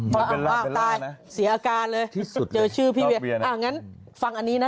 พออ้างว่าตายเสียอาการเลยเจอชื่อพี่เวียอ่างั้นฟังอันนี้นะ